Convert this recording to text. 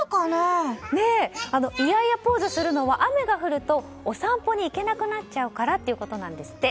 イヤイヤポーズをするのは雨が降るとお散歩に行けなくなっちゃうからってことなんですって。